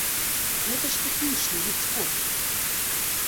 Гэта ж тэхнічны від спорту!